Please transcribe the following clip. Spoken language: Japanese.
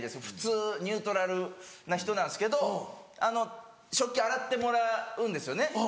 普通ニュートラルな人なんですけどあの食器洗ってもらうんですよね。